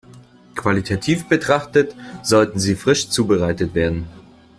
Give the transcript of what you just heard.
Qualitativ betrachtet, sollten sie frisch zubereitet werden.